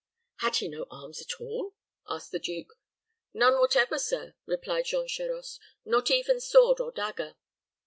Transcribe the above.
"Had he no arms at all?" asked the duke. "None whatever, sir," replied Jean Charost; "not even sword or dagger.